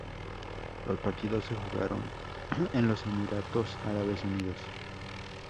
Los partidos se jugaron en los Emiratos Árabes Unidos.